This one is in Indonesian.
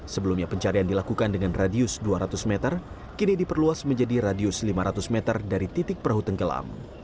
sebelumnya pencarian dilakukan dengan radius dua ratus meter kini diperluas menjadi radius lima ratus meter dari titik perahu tenggelam